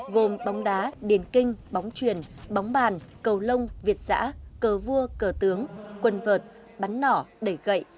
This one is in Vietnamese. gồm bóng đá điền kinh bóng truyền bóng bàn cầu lông việt giã cờ vua cờ tướng quần vợt bắn nỏ đẩy gậy